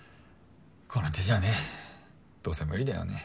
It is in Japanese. この手じゃねどうせ無理だよね。